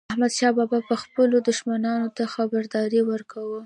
احمدشاه بابا به خپلو دښمنانو ته خبرداری ورکاوه.